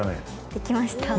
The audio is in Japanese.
できました。